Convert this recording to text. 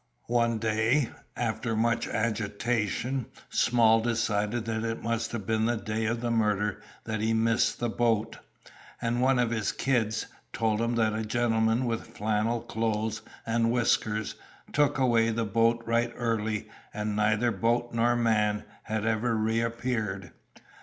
One day, after much agitation, Small decided that it must have been the day of the murder that he missed the boat; and one of his "kids" told him that "a gentleman with flannel clothes and whiskers" took away the boat "right early," and neither boat nor man had ever reappeared.